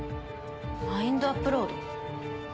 マインドアップロード？